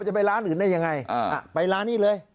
จะไปร้านอื่นได้ยังไงไปร้านนี้เลย